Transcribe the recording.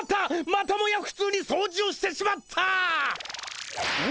またもやふつうに掃除をしてしまった！